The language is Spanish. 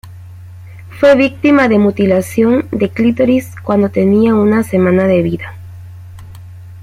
Fue víctima de mutilación de clítoris cuando tenía una semana de vida.